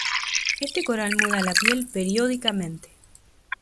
Este coral muda la piel periódicamente.